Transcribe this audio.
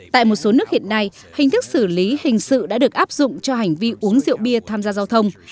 tại một số nước hiện nay hình thức xử lý hình sự đã được áp dụng cho hành vi uống rượu bia tham gia giao thông